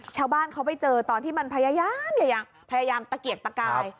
ชาวบ้านเขาไปเจอตอนที่มันพยายามตะเกียกตะกาย